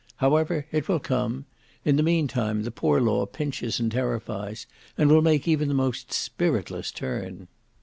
However it will come. In the meantime the Poor law pinches and terrifies, and will make even the most spiritless turn."